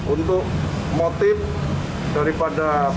untuk motif daripada polisi